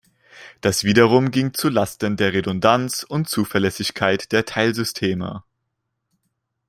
Das wiederum ging zu Lasten der Redundanz und Zuverlässigkeit der Teilsysteme.